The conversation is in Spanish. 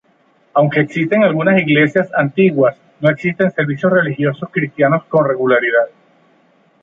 Aunque existen algunas iglesias antiguas, no existen servicios religiosos cristianos con regularidad.